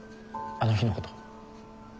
あの日のこと。